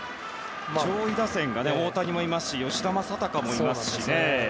上位打線には大谷もいますし吉田正尚もいますしね。